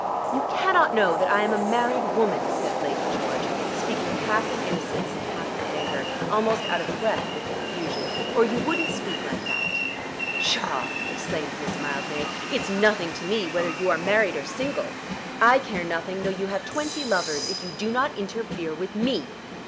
"You cannot know that I am a married woman," said Lady George, speaking half in innocence and half in anger, almost out of breath with confusion, "or you wouldn't speak like that." "Psha!" exclaimed Miss Mildmay. "It is nothing to me whether you are married or single. I care nothing though you have twenty lovers if you do not interfere with me."